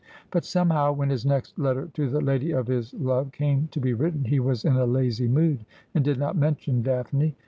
But somehow when his next letter to the lady of his love came to be written he was in a lazy mood, and did not mention Daphne.